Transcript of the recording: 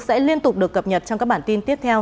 sẽ liên tục được cập nhật trong các bản tin tiếp theo